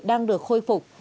đang được khôi phục